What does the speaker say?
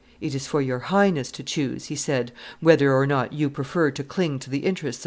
"It is for your Highness to choose," he said, "whether or not you prefer to cling to the interests of M.